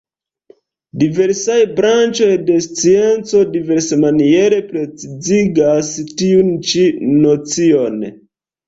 Diversaj branĉoj de scienco diversmaniere precizigas tiun ĉi nocion.